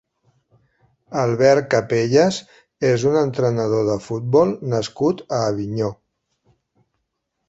Albert Capellas és un entrenador de futbol nascut a Avinyó.